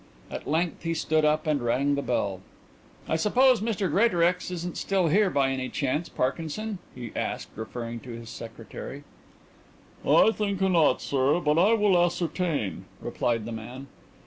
At length he stood up and rang the bell. "I suppose Mr Greatorex isn't still here by any chance, Parkinson?" he asked, referring to his secretary. "I think not, sir, but I will ascertain," replied the man.